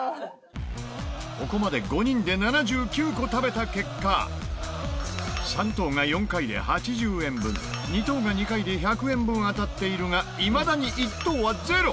ここまで５人で７９個食べた結果３等が４回で８０円分２等が２回で１００円分当たっているがいまだに１等は０！